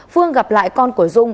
phương gặp lại con của dung